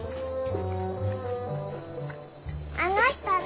あの人誰？